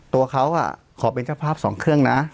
ตัวเขาขอเป็นเจ้าภาพ๒เครื่องนะ